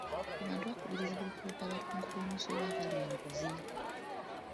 Abantu bakubirizibwa okuloopa abakungu b'omusolo abalya enguzi.